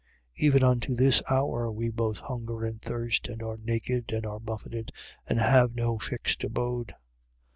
4:11. Even unto this hour we both hunger and thirst and are naked and are buffeted and have no fixed abode.